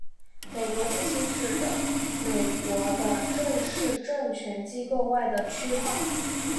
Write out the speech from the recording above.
美国地区指的美国的正式政权机构外的区划。